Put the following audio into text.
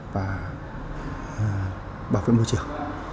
và bảo vệ môi trường